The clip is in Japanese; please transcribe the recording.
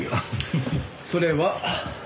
それは？